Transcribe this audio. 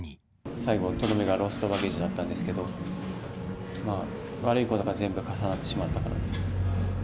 最後、とどめがロストバゲージだったんですけど、悪いことが全部重なってしまったかなと。